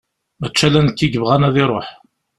Mačči ala nekk i yebɣan ad iruḥ.